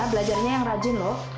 belajarnya yang rajin lho